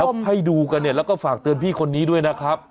แล้วให้ดูกันเนี่ยแล้วก็ฝากเตือนพี่คนนี้ด้วยนะครับ